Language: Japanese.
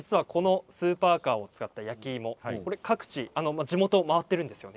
スーパーカーを使った焼き芋各地、地元を回っているんですよね。